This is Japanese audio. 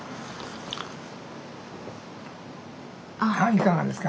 いかがですか？